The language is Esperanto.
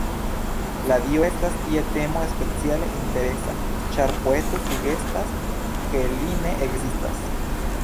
La Dio estas tie temo speciale interesa, ĉar poeto sugestas ke Li ne ekzistas.